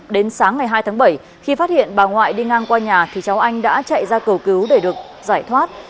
đến sáng ngày hai tháng bảy khi phát hiện bà ngoại đi ngang qua nhà thì cháu anh đã chạy ra cầu cứu để được giải thoát